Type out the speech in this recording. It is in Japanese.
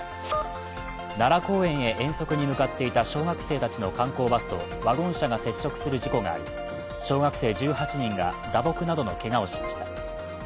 奈良公園へ遠足に向かっていた小学生たちの観光バスとワゴン車が接触する事故があり小学生１８人が打撲などのけがをしました。